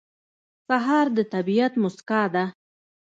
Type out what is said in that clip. سهار د طبیعت موسکا ده.